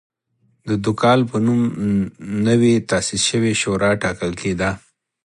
د دوکال په نوم نوې تاسیس شوې شورا ټاکل کېده